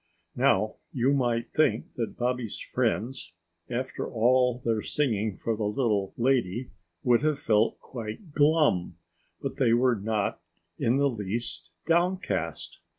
Now, you might think that Bobby's friends, after all their singing for the little lady, would have felt quite glum. But they were not in the least downcast.